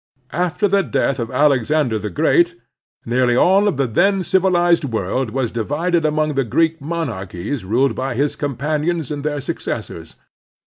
After the death of Alexander the Great nearly all of the then civilized world was divided among the Greek monarchies ruled by his companions and their successors.